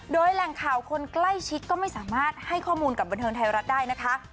โดยแหล่งข่าวคนใกล้ชิดก็ไม่สามารถให้ข้อมูลกับบันเทิงไทยรัฐได้นะคะ